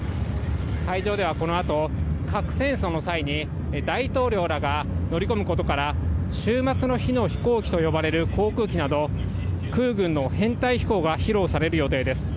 会場ではこのあと、核戦争の際に大統領らが乗り込むことから、終末の日の飛行機と呼ばれる航空機など、空軍の編隊飛行が披露される予定です。